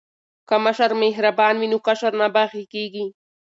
که مشر مهربان وي نو کشر نه باغی کیږي.